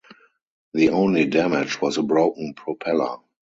The only damage was a broken propeller.